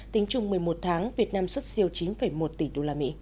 tính chung một mươi một tháng việt nam xuất siêu chín một tỷ usd